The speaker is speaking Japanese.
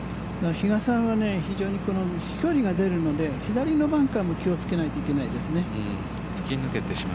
比嘉さんは非常に飛距離が出るので左のバンカーも気をつけないといけないですね。